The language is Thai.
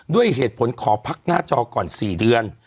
ด้วยเหตุผลขอพักหน้าจอก่อน๔เดือน